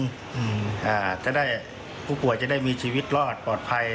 เพื่อให้ผู้ป่วยจะได้มีชีวิตรอดปลอดภัย